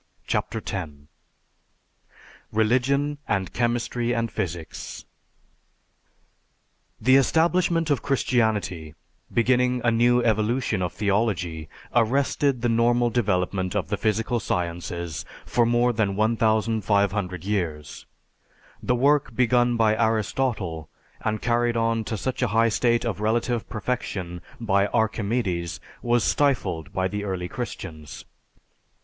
CHAPTER X RELIGION AND CHEMISTRY AND PHYSICS The establishment of Christianity, beginning a new evolution of theology, arrested the normal development of the physical sciences for more than 1500 years. The work begun by Aristotle and carried on to such a high state of relative perfection by Archimedes, was stifled by the early Christians.